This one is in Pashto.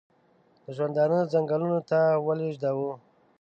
د ژوندانه څنګلو ته ولېږداوه.